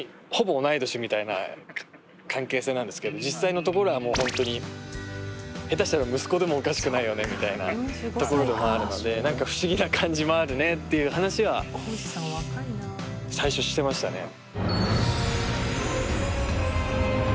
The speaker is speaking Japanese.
実際のところはもう本当に下手したら息子でもおかしくないよねみたいなところでもあるので何か不思議な感じもあるねっていう話は最初してましたね。